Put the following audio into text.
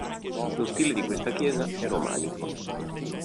Lo stile di questa chiesa è romanico.